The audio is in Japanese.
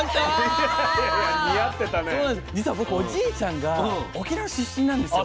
実は僕おじいちゃんが沖縄出身なんですよ。